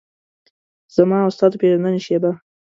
زما او ستا د پیژندنې شیبه